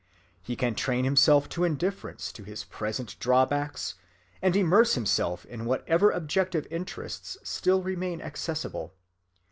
He can train himself to indifference to his present drawbacks and immerse himself in whatever objective interests still remain accessible.